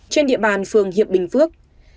trên địa bàn phường hiệp bình phước